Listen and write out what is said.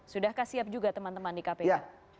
sudahkah siap juga teman teman di kpk